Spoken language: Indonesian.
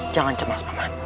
jangan cemas paman